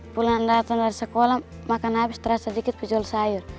pulang datang dari sekolah makan habis terasa sedikit pejuang sayur